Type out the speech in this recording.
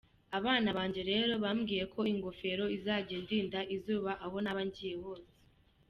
Abana banjye rero bambwiye ko ingofero izajya indinda izuba aho naba nagiye hose.